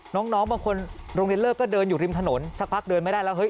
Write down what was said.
น้องบางคนโรงเรียนเลิกก็เดินอยู่ริมถนนสักพักเดินไม่ได้แล้วเฮ้